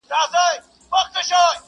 مناجات!.